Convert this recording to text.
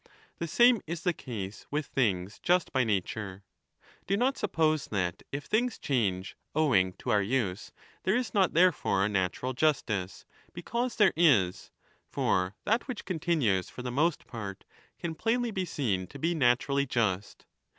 The same is the case with things just by U95" nature. Do not suppose that, if things change owing to our use, there is not therefore a natural justice; because there is. For that which continues for the most part can plainly be seen to be naturally just.